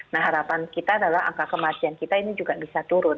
nah harapan kita adalah angka kematian kita ini juga bisa turun